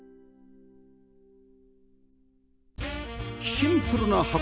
シンプルな箱。